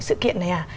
sự kiện này à